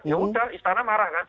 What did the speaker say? ya udah istana marah kan